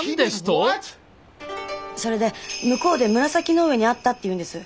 それで向こうで紫の上に会ったっていうんです。